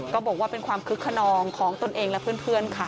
บอกว่าเป็นความคึกขนองของตนเองและเพื่อนค่ะ